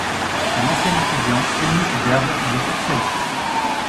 Son ancien étudiant, Helmut Berve, lui succède.